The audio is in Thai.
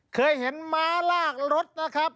เคยเห็นม้าลากรถนะครับ